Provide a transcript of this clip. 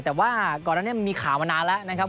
แต่ว่าก่อนหน้านี้มีข่าวมานานแล้วนะครับ